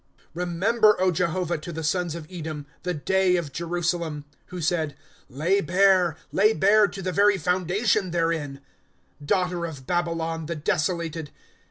' Remember, O Jehovah, to the sons of Edom, The day of Jerusalem ; Who said : Lay bare, lay bare, To the very foundation therein. ^ Daughter of Babylon, the desolated